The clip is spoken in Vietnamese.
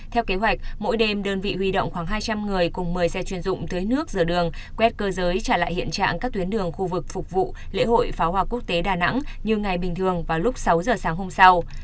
theo kế hoạch mỗi đêm đơn vị huy động khoảng hai trăm linh người cùng một mươi xe chuyên dụng tưới nước rửa đường quét cơ giới trả lại hiện trạng các tuyến đường khu vực phục vụ lễ hội pháo hoa quốc tế đà nẵng như ngày bình thường vào lúc sáu giờ sáng hôm sau